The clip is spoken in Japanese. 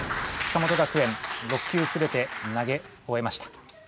鹿本学園６球全て投げ終えました。